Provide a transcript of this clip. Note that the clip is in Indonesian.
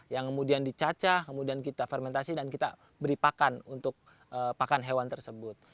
yang kemudian dicacah kemudian kita fermentasi dan kita beri pakan untuk pakan hewan tersebut